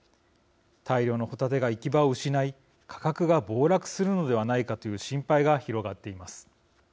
大量のホタテが行き場を失い価格が暴落するのではないかという心配が広がっています。